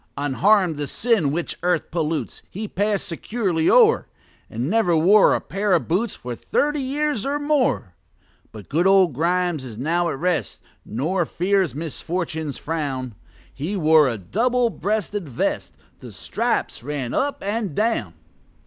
Unharm'd, the sin which earth pollutes He pass'd securely o'er, And never wore a pair of boots For thirty years or more. But good old Grimes is now at rest, Nor fears misfortune's frown: He wore a double breasted vest The stripes ran up and down.